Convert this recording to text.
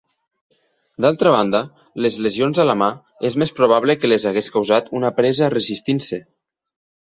D'altra banda, les lesions a la mà es més probable que les hagués causat una presa resistint-se.